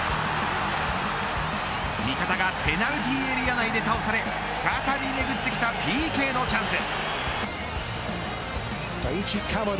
味方がペナルティーエリア内で倒され再び巡ってきたＰＫのチャンス。